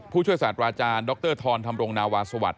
ผู้ช่วยศาสตร์ราชาญดรทรธรงนาวาสวัสดิ์